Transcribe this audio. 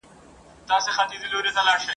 ورځي مو ورکي له ګلونو له یارانو سره ..